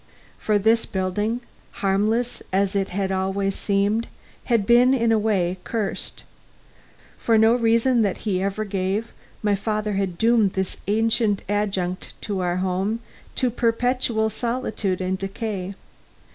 For this building, harmless as it had always seemed, had been, in a way, cursed. For no reason that he ever gave, my father had doomed this ancient adjunct to our home to perpetual solitude and decay.